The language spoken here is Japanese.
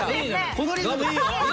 このリズムいいよ。